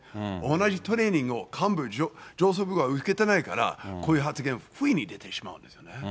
同じトレーニングを幹部、上層部が受けてないから、こういう発言を不意に出てしまうんです